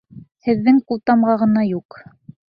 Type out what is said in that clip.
Һеҙҙең ҡултамға ғына юҡ.